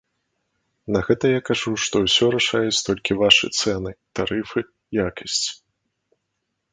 На гэта я кажу, што ўсё рашаюць толькі вашы цэны, тарыфы, якасць.